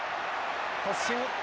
突進。